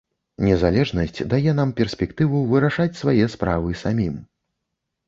Незалежнасць дае нам перспектыву вырашаць свае справы самім.